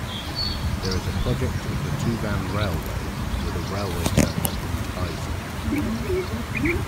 There is a project of the Tuvan Railway with a railway terminal in Kyzyl.